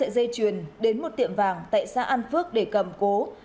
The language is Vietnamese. đưa sợi dây truyền đến một tiệm vàng tại xã an phước để cầm cố